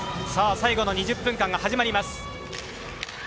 最後の２０分間が始まります。